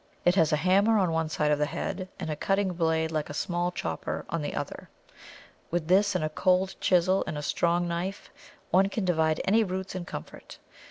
It has a hammer on one side of the head, and a cutting blade like a small chopper on the other. With this and a cold chisel and a strong knife one can divide any roots in comfort.